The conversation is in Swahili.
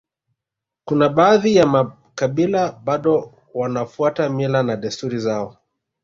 Kuna baadhi ya makabila bado wanafuata mila na desturi zao